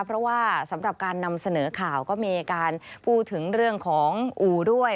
เพราะว่าสำหรับการนำเสนอข่าวก็มีการพูดถึงเรื่องของอู่ด้วย